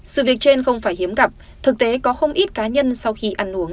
sự việc trên không phải hiếm gặp thực tế có không ít cá nhân sau khi ăn uống